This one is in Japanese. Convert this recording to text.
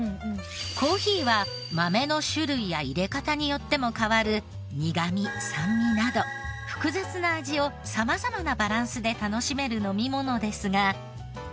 コーヒーは豆の種類や淹れ方によっても変わる苦み酸味など複雑な味を様々なバランスで楽しめる飲み物ですが。